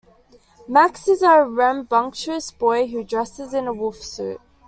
Max is a rambunctious boy who dresses in a wolf suit.